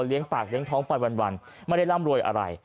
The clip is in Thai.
ปากเลี้ยงท้องไปวันไม่ได้ร่ำรวยอะไร